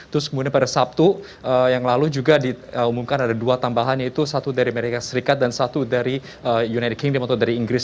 terus kemudian pada sabtu yang lalu juga diumumkan ada dua tambahan yaitu satu dari amerika serikat dan satu dari united kingdom atau dari inggris